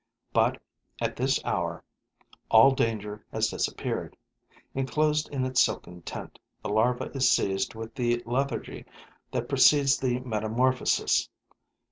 But at this hour all danger has disappeared. Enclosed in its silken tent, the larva is seized with the lethargy that precedes the metamorphosis.